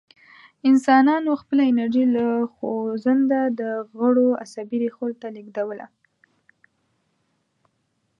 انسانانو خپله انرژي له خوځنده غړو عصبي ریښو ته لېږدوله.